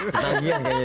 ketagihan jadi ketagihan